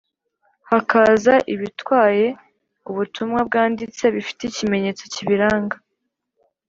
hakaza ibitwaye ubutumwa bwanditse bifite ikimenyetso kibiranga